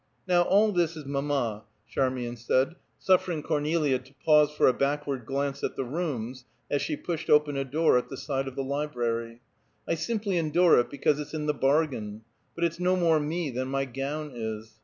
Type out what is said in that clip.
"Now all this is mamma," Charmian said, suffering Cornelia to pause for a backward glance at the rooms as she pushed open a door at the side of the library. "I simply endure it because it's in the bargain. But it's no more me than my gown is.